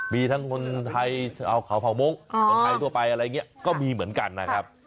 มีทั้งคนไทยชาวเขาเผ่ามงค์คนไทยทั่วไปอะไรอย่างนี้ก็มีเหมือนกันนะครับ